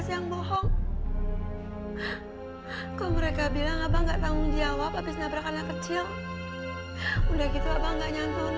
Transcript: sampai jumpa di video selanjutnya